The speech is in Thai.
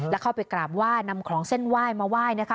แล้วเข้าไปกราบว่ายนำของเส้นว่ายมาว่ายนะคะ